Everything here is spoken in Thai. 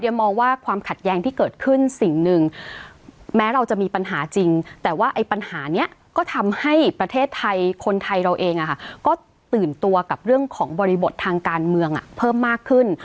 มองว่าความขัดแย้งที่เกิดขึ้นสิ่งหนึ่งแม้เราจะมีปัญหาจริงแต่ว่าไอ้ปัญหานี้ก็ทำให้ประเทศไทยคนไทยเราเองก็ตื่นตัวกับเรื่องของบริบททางการเมืองเพิ่มมากขึ้น